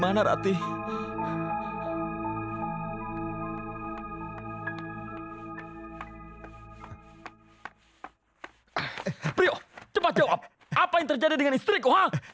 apa yang terjadi dengan istriku